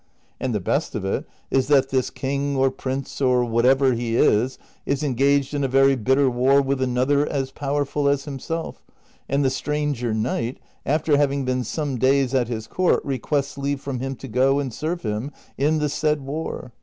And the best of it is that this king, or prince, or whatever he is, is engaged in a very bitter war with another as powerful as himself, and the stranger knight, after having been some days at his court, requests leave from him to go and serve him in the said war.